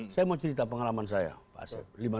saya mau cerita pengalaman saya pak asep